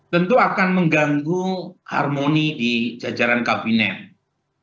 tentu akan mengganggu harmoni di jajaran kabinet